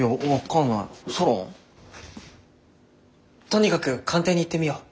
とにかく官邸に行ってみよう。